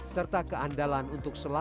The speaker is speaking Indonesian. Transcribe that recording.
serta keandalan untuk sejarah